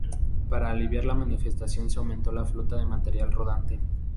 Para aliviar la masificación se aumentó la flota de material rodante.